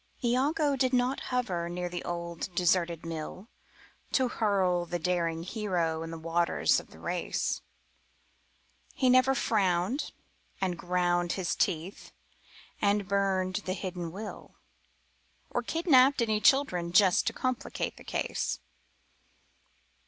Iago did not hover near the old deserted mill To hurl the daring hero in the waters of the race; He never frowned and ground his teeth and burned the hidden will Or kidnapped any children just to complicate the case.